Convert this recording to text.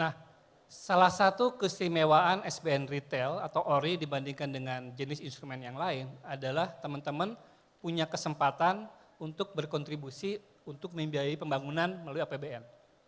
nah salah satu keistimewaan sbn retail atau ori dibandingkan dengan jenis instrumen yang lain adalah teman teman punya kesempatan untuk berkontribusi untuk membiayai pembangunan melalui apbn